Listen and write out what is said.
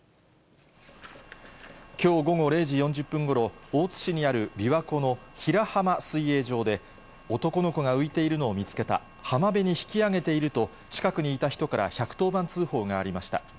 きょう午後０時４０分ごろ、大津市にある琵琶湖の比良浜水泳場で、男の子が浮いているのを見つけた、浜辺に引き上げていると、近くにいた人から１１０番通報がありました。